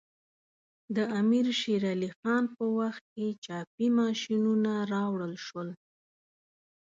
د امیر شیر علی خان په وخت کې چاپي ماشینونه راوړل شول.